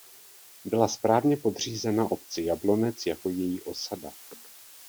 Byla správně podřízena obci Jablonec jako její osada.